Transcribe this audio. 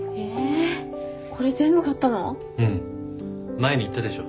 前に言ったでしょ？